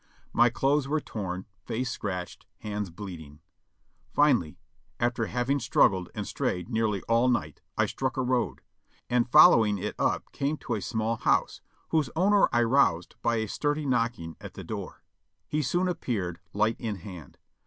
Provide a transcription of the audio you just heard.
My clothes were torn, face scratched, hands bleeding. Finally, after having struggled and strayed nearly all night I struck a road, and following it up came to a small house, whose owner I roused by a sturdy knocking at the door. He soon appeared, light in hand.